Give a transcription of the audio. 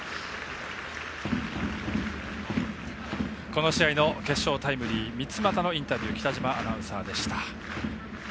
この試合の決勝タイムリー三ツ俣のインタビュー北嶋アナウンサーでした。